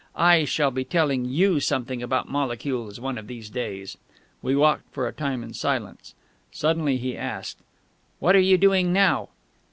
I shall be telling you something about molecules one of these days!" We walked for a time in silence. Suddenly he asked: "What are you doing now?"